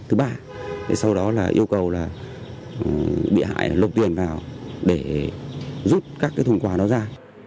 thứ ba là yêu cầu bị hại lục tiền vào để giúp các thùng quà đó ra